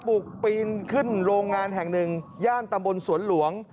ปีนขึ้นโรงงานแห่งหนึ่งย่านตำบลสวนหลวง